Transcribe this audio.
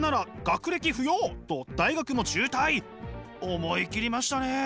思い切りましたね。